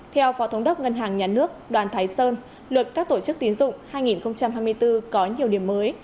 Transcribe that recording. theo phó thống đốc ngân hàng nhà nước đoàn thái sơn luật các tổ chức tiến dụng hai nghìn hai mươi bốn có nhiều điểm mới